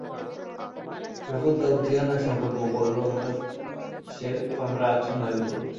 যখন তা উঠিয়ে আনার সংকল্প করল হঠাৎ সে তন্দ্রায় আচ্ছন্ন হয়ে পড়ল।